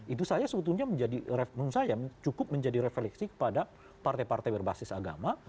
itu sebetulnya cukup menjadi refleksi kepada partai partai berbasis agama